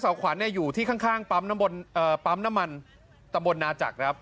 สื้อแกงมาได้มั้ยครับ